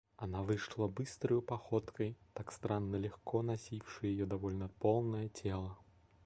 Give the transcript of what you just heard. Она вышла быстрою походкой, так странно легко носившею ее довольно полное тело.